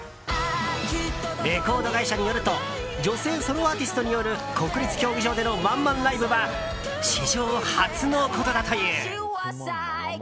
レコード会社によると女性ソロアーティストによる国立競技場でのワンマンライブは史上初のことだという。